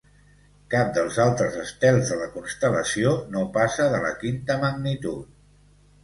Cap dels altres estels de la constel·lació no passa de la quinta magnitud.